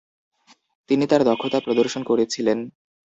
তিনি তার দক্ষতা প্রদর্শন করেছিলেন।